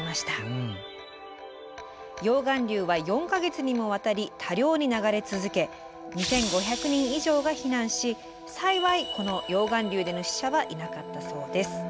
溶岩流は４か月にもわたり多量に流れ続け２，５００人以上が避難し幸いこの溶岩流での死者はいなかったそうです。